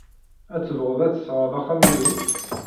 Ad tebɣud ad tesɣed axxam-inu?